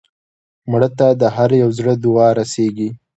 مړه ته د هر یو زړه دعا رسېږي